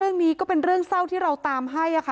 เรื่องนี้ก็เป็นเรื่องเศร้าที่เราตามให้ค่ะ